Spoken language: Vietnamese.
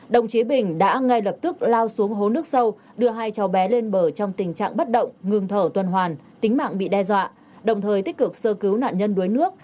đồng chí bình đã ngay lập tức lao xuống hố nước sâu đưa hai cháu bé lên bờ trong tình trạng bất động ngừng thở tuần hoàn tính mạng bị đe dọa đồng thời tích cực sơ cứu nạn nhân đuối nước